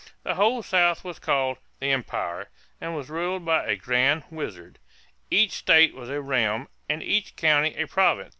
The whole South was called "the Empire" and was ruled by a "Grand Wizard." Each state was a realm and each county a province.